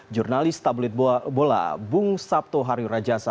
jurnalis tablet bola bung sabtoharyu rajasa